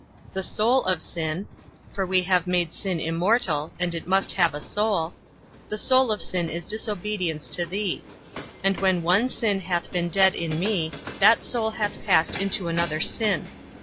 The soul of sin (for we have made sin immortal, and it must have a soul), the soul of sin is disobedience to thee; and when one sin hath been dead in me, that soul hath passed into another sin.